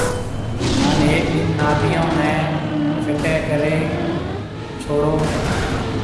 ھان ھيَََڪ ڏن ناديون نيَ ڦٽيَ ڪرَي ڇڏو